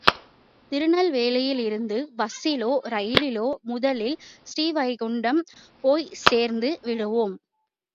திருநெல்வேலியிலிருந்து பஸ்ஸிலோ ரயிலிலோ, முதலில் ஸ்ரீவைகுண்டம் போய்ச் சேர்ந்து விடுவோம்.